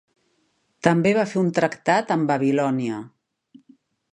També va fer un tractat amb Babilònia.